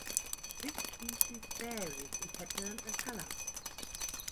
This species varies in pattern and color.